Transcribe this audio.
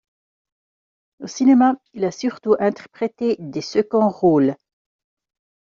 Au cinéma, il a surtout interprété des seconds rôles.